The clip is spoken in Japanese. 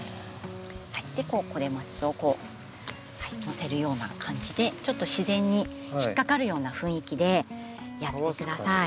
クレマチスをこうのせるような感じでちょっと自然に引っ掛かるような雰囲気でやってください。